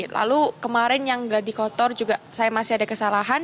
lalu kemarin yang geladi kotor juga saya masih ada kesalahan